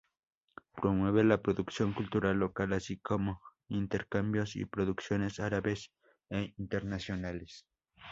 Promueve la producción cultural local así como intercambios y producciones árabes e internacionales.